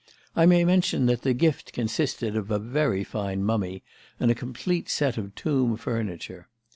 I may mention that the gift consisted of a very fine mummy and a complete set of tomb furniture.